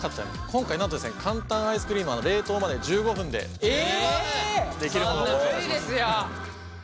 今回なんとですね簡単アイスクリームは冷凍まで１５分でできるものをご紹介します。